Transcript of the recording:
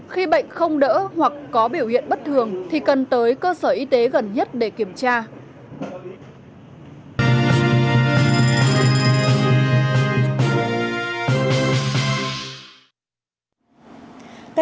khi bệnh không đỡ hoặc có biểu hiện bất thường thì cần tới cơ sở y tế gần nhất để kiểm tra